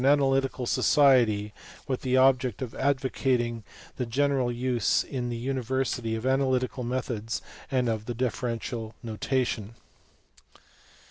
447 Analytical Society, with the object of advocating the general use in the university of analytical methods and of the diffe rential notation.